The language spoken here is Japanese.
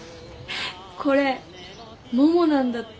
これももなんだって。